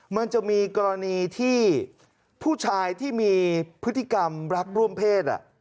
มันจะมีกรณีที่ผู้ชายที่มีพฤติกรรมรักร่วมเพศ